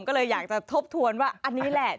ก็เลยอยากจะทบทวนว่าอันนี้แหละ